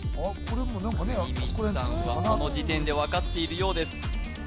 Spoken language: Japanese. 國光さんはこの時点でわかっているようです